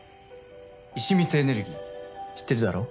石光エネルギー知ってるだろ？